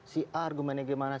si a argumennya bagaimana